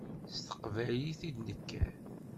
S teqbaylit i d-nekker.